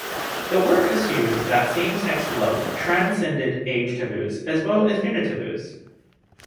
The work assumes that same-sex love transcended age taboos as well as gender taboos.